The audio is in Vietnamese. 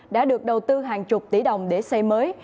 đã được đầu tư hàng chục tỷ đồng để xây mới